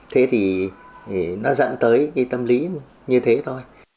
thế thì nó dẫn tới cái tâm lý như thế thôi